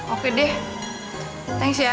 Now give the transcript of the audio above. oke deh thanks ya